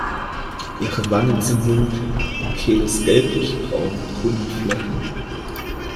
Ihre Wangen sind dunkel, die Kehle ist gelblichbraun mit grünen Flecken.